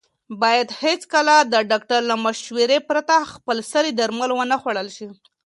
باید هېڅکله د ډاکټر له مشورې پرته خپلسري درمل ونه خوړل شي.